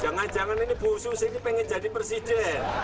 jangan jangan ini bu susi ini pengen jadi presiden